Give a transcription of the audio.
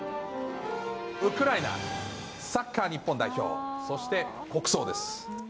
ウクライナ、サッカー日本代表、そして国葬です。